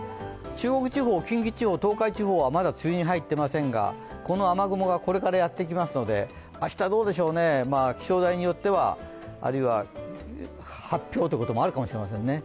中国地方、近畿地方、東海地方はまだ梅雨に入っていませんが、この雨雲がこれからやってきますので明日どうでしょう、気象台によっては、あるいは発表ということもあるかもしれませんね。